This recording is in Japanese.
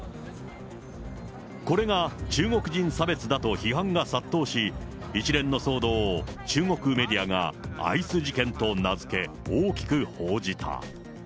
これが中国人差別だと批判が殺到し、一連の騒動を中国メディアがアイス事件と名付け、大きく報じた。